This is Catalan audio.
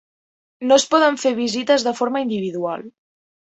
No es poden fer visites de forma individual.